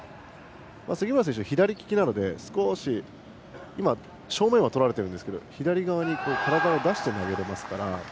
杉村選手、左利きなので正面は取られていますが左側に体を出して投げれますから。